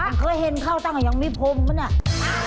มันเคยเห็นเข้าตั้งอย่างนี้พรมป่ะนี่